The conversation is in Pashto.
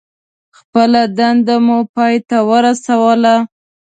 خپله دنده مو پای ته ورسوله.